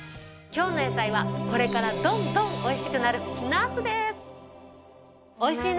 今日の野菜はこれからどんどん美味しくなるナスです。